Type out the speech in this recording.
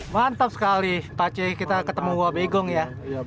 mantap sekali pak c kita ketemu wobegong ya